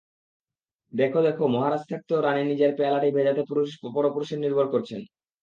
দেখো দেখো, মহারাজ থাকতেও রানী নিজের পেয়ালাটি ভেজাতে পরপুরুষের ওপর নির্ভর করছেন।